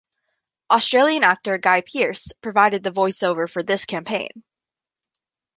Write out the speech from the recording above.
Australian actor Guy Pearce provided the voice over for this campaign.